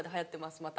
また。